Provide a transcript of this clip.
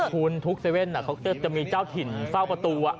คุณทุกเซเว่นจะมีเจ้าถิ่นเฝ้าประตู